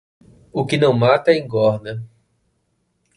O que não mata engorda.